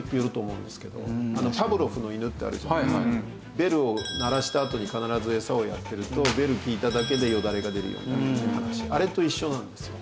ベルを鳴らしたあとに必ずエサをやってるとベル聞いただけでよだれが出るようになるって話あれと一緒なんですよ。